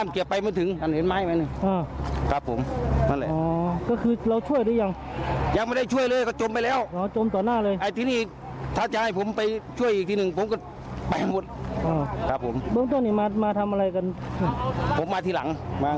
ที่แรกเขามา๓คนแต่ว่าผมมาทีหลัง